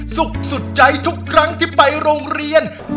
สุขสุดใจทุกครั้งที่ไปโรงเรียน